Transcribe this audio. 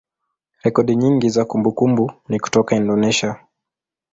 rekodi nyingi za kumbukumbu ni kutoka Indonesia.